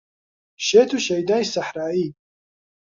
شێت و شەیدای سەحرایی